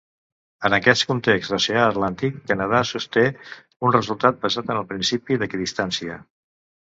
En aquest context d'oceà Atlàntic, Canadà sosté un resultat basat en el principi d'equidistància.